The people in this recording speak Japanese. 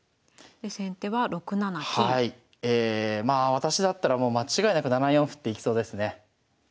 まあ私だったらもう間違いなく７四歩っていきそうですね。